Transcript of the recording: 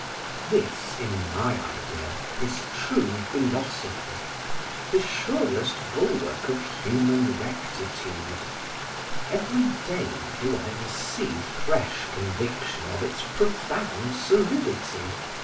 This, in my idea, in true philosophy, the surest bulwark of human rectitude; every day do I receive fresh conviction of its profound solidity.